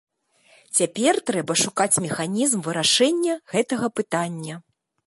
Цяпер трэба шукаць механізм вырашэння гэтага пытання.